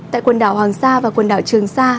tại quần đảo hoàng sa và quần đảo trường sa